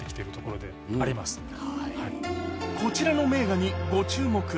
こちらの名画にご注目